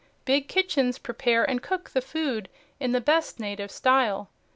Big kitchens prepare and cook the food in the best native style.